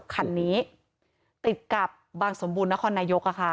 คันนี้ติดกับบางสมบูรณครนายก